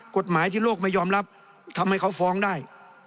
กฎหมายที่โลกไม่ยอมรับทำให้เขาฟ้องได้